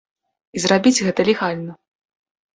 І зрабіць гэта легальна.